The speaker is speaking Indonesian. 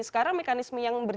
sekarang mekanisme yang berikutnya